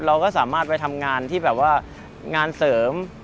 เราก็สามารถไปทำงานที่แบบว่างานเสริม